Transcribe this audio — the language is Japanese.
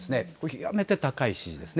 極めて高い支持です。